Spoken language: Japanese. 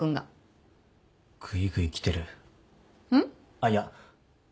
あっいや。